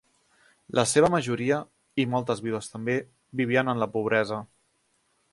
La seva majoria -i moltes vídues també- vivien en la pobresa.